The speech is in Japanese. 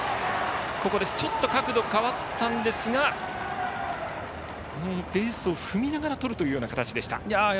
ちょっと角度が変わったんですがベースを踏みながらとるというような形でした。